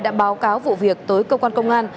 đã báo cáo vụ việc tới cơ quan công an